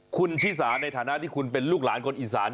คุณชิสาในฐานะที่คุณเป็นลูกหลานคนอีสาน